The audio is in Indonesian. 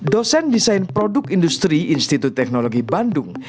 dosen desain produk industri institut teknologi bandung